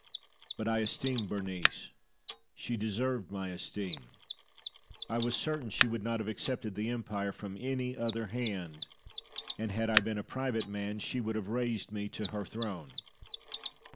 But I esteemed Berenice; she deserved my esteem. I was certain she would not have accepted the empire from any other hand; and had I been a private man she would have raised me to her throne.